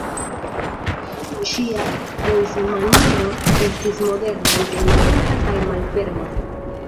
Ŝia pensmaniero estis moderna, inteligenta kaj malferma.